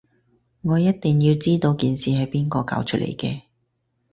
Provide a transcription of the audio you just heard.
我一定要知道件事係邊個搞出嚟嘅